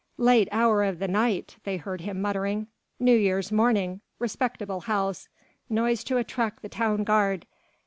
"Late hour of the night," they heard him muttering. "New Year's morning.... Respectable house ... noise to attract the town guard...."